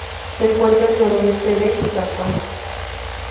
Se encuentra al noreste de Jaffa.